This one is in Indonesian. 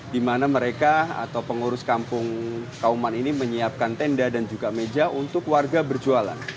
di mana mereka atau pengurus kampung kauman ini menyiapkan tenda dan juga meja untuk warga berjualan